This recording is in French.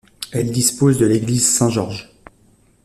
Elle dispose de l'église Saint-Georges.